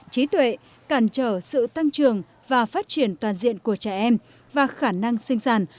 trí tuệ cản trở sự tăng trường và phát triển toàn diện của trẻ em và khả năng sinh sản